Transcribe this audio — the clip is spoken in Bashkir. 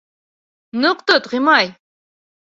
— Ныҡ тот, Ғимай.